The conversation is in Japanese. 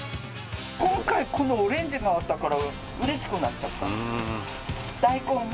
今回、このオレンジがあったから、うれしくなっちゃった。